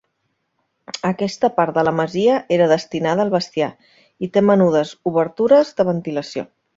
Aquesta part de la masia era destinada al bestiar i té menudes obertures de ventilació.